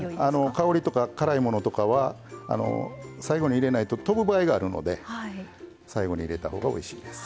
香りとか辛いものとかは最後に入れないととぶ場合があるので最後に入れた方がおいしいです。